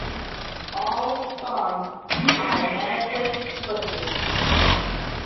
All songs by Mannequin Pussy.